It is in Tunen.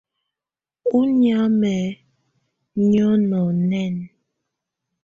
Ɔ́ nɛ̀ámɛ̀á niɔ́nɔ nɛɛnɛ.